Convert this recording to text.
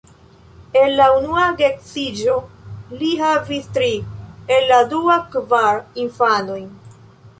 El la unua geedziĝo li havis tri, el la dua kvar infanojn.